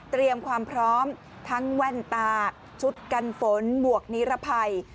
เตรียมความพร้อมทั้งแว่นตาชุดกันฝนหมวกนิรภัย